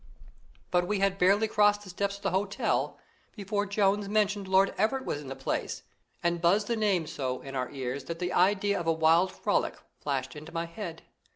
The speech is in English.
But we had hardly crossed the steps of the hotel, before Jones mentioned Lord Everett was in the place, and buzzed the name so in our ears that the idea of a wild frolic flashed into my head.